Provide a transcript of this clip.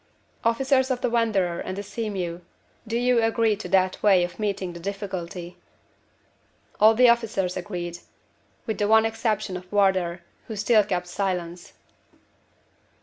Officers of the Wanderer and the Sea mew, do you agree to that way of meeting the difficulty?" All the officers agreed, with the one exception of Wardour, who still kept silence.